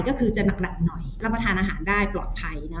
ก็คือจะหนักหน่อยรับประทานอาหารได้ปลอดภัย